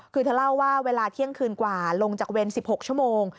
คือเธอเล่าว่าเวลาเที่ยงคืนกว่าลงจากเวร๑๖ชั่วโมง